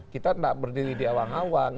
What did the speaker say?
kita tidak berdiri di awang awang